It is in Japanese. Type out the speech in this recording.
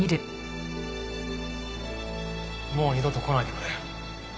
もう二度と来ないでくれ。